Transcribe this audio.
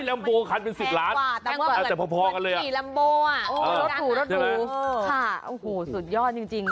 ลัมโบคันเป็น๑๐ล้านแต่พอกันเลยอ่ะใช่ไหมค่ะสุดยอดจริง